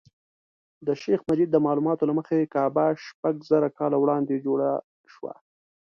د شیخ مجید د معلوماتو له مخې کعبه شپږ زره کاله وړاندې جوړه شوه.